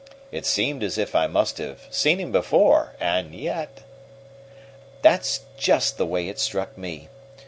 It seemed as if I must have seen him before, and yet " "That's just the way it struck me.